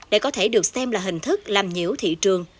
đây có thể được xem là hình thức làm nhiễu thị trường